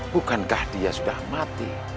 bukankah dia sudah mati